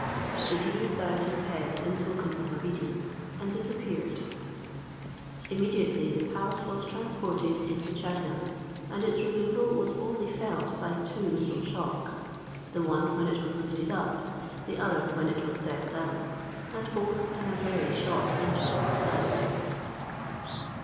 The genie bowed his head in token of obedience, and disappeared. Immediately the palace was transported into China, and its removal was only felt by two little shocks, the one when it was lifted up, the other when it was set down, and both in a very short interval of time.